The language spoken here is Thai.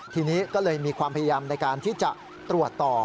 ทีนี้ก็เลยมีความพยายามในการที่จะตรวจต่อ